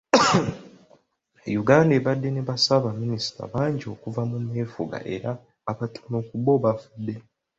Uganda ebadde ne bassaabaminisita bangi okuva ku meefuga era abatono ku bo bafudde.